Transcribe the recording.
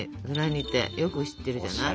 よく知ってるじゃない。